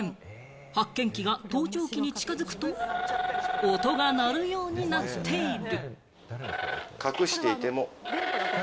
発見器が盗聴器に近づくと、音が鳴るようになっている。